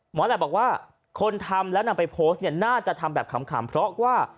แหละบอกว่าคนทำแล้วนำไปโพสต์เนี่ยน่าจะทำแบบขำเพราะว่า